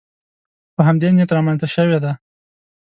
په همدې نیت رامنځته شوې دي